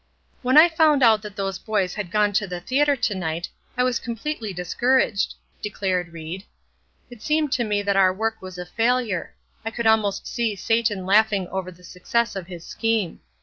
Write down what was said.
"When I found out that those boys had gone to the theatre to night I was completely discouraged," declared Ried. "It seemed to me that our work was a failure; I could almost see Satan laughing over the success of his scheme.